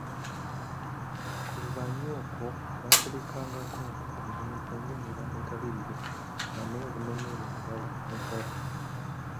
"Ku lubanyi okwo baaterekangako ebintu ng’enva enkalirire, amenvu n’emmere endala enkalu."